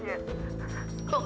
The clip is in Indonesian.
dia pergi sama papanya